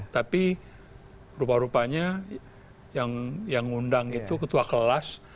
tapi rupa rupanya yang undang itu ketua kelas atau ketua